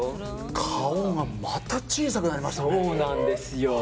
顔がまた小さくなりましたね。